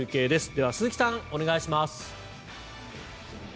では、鈴木さんお願いします。